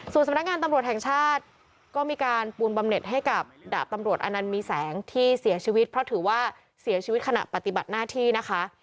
ส่วนสำนักงานตำรวจแห่งชาติก็มีการปูนบำเน็ตให้กับดาบตำรวจอนันต์มีแสงที่เสียชีวิตเพราะถือว่าเสียชีวิตขณะปฏิบัติหน้าที่นะคะ